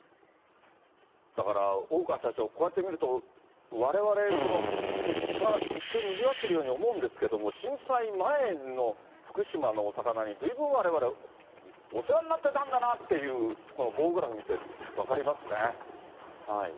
だから大川社長、こうやって見ると、われわれ、いったん、一見、にぎわっているように思うんですけど、震災前の福島のお魚にずいぶんわれわれ、お世話になってたんだなっていう、この棒グラフ見て分かりますね。